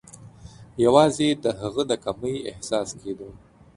یوازي د هغه د کمۍ احساس کېده.